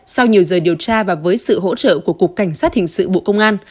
sau nhiều giờ điều tra và với sự hỗ trợ của cục cảnh sát hình sự bộ công an